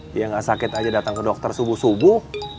dia nggak sakit aja datang ke dokter subuh subuh